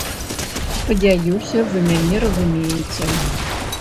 Спадзяюся, вы мяне разумееце!